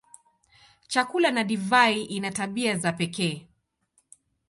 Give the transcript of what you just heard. Chakula na divai ina tabia za pekee.